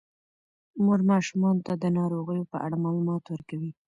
مور ماشومانو ته د ناروغیو په اړه معلومات ورکوي.